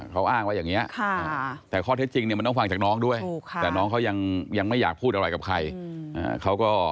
เขาอ้างว่าอย่างนี้แต่ข้อเท็จจริงเนี่ยมันต้องฟังจากน้องด้วยแต่น้องเขายังไม่อยากพูดอะไรกับใคร